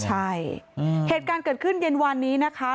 ใช่เหตุการณ์เกิดขึ้นเย็นวันนี้นะคะ